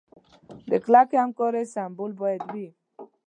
د کلکې همکارۍ سمبول باید وي.